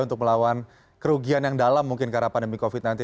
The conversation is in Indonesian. untuk melawan kerugian yang dalam mungkin karena pandemi covid sembilan belas